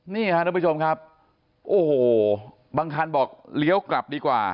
นี่ค่ะน้องผู้ชมครับ